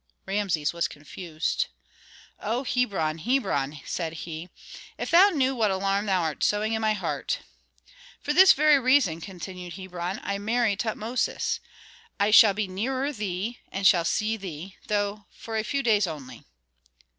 Rameses was confused. "O Hebron, Hebron," said he. "If thou knew what alarm thou art sowing in my heart." "For this very reason," continued Hebron, "I marry Tutmosis. I shall be nearer thee, and shall see thee, though for a few days only."